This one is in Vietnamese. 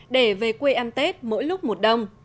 để về quê ăn tết mỗi lúc một đông